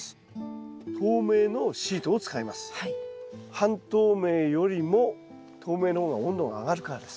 半透明よりも透明の方が温度が上がるからです。